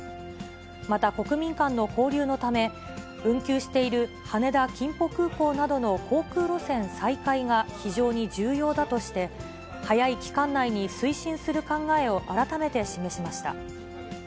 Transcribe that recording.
また、国民間の交流のため、運休している羽田・キンポ空港などの航空路線再開が非常に重要だとして、早い期間内に推進する考えを改めて示しました。